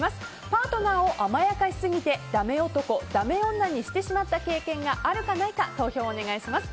パートナーを甘やかしすぎてダメ男、ダメ女にしてしまった経験があるかないか投票をお願いします。